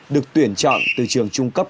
được tuyển chọn từ trường trung cấp